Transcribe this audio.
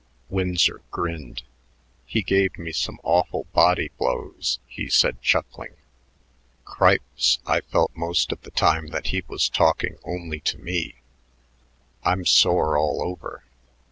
Winsor grinned. "He gave me some awful body blows," he said, chuckling. "Cripes, I felt most of the time that he was talking only to me. I'm sore all over.